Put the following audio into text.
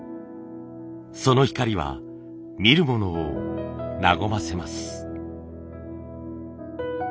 その光は見る者を和ませます。